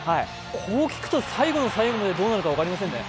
こう聞くと最後の最後までどうなるのか分かりませんね。